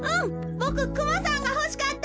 ボククマさんがほしかった。